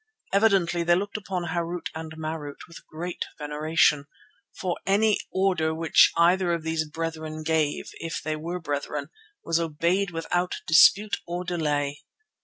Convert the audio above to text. Evidently they looked upon Harût and Marût with great veneration, for any order which either of these brethren gave, if they were brethren, was obeyed without dispute or delay.